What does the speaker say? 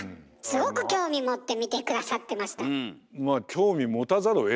すごく興味持って見て下さってました。